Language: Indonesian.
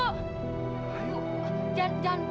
bu jangan bu